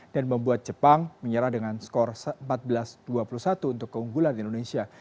dan membuat jepang menyerah dengan skor empat belas dua puluh satu untuk keunggulan indonesia